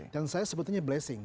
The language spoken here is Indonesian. dan saya sebetulnya blessing